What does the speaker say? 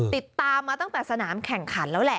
ติดตามมาตั้งแต่สนามแข่งขันแล้วแหละ